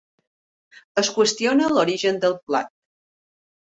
Es qüestiona l'origen del plat.